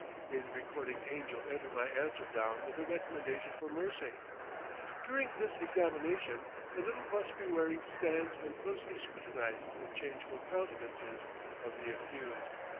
May the recording angel enter my answer down with a recommendation for mercy! During this examination the little busby wearer stands and closely scrutinizes the changeful countenances of the accused.